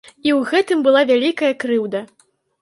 І ў гэтым была вялікая крыўда.